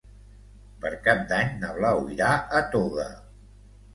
Per Cap d'Any na Blau irà a Toga.